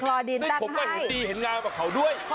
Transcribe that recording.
ซึ่งผมก็เห็นงานเขาด้วย